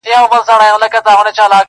دا د قسمت په حوادثو کي پېیلی وطن!